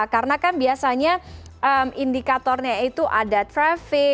karena kan biasanya indikatornya itu ada traffic